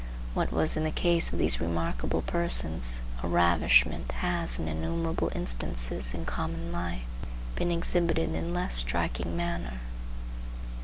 What was in the case of these remarkable persons a ravishment, has, in innumerable instances in common life, been exhibited in less striking manner.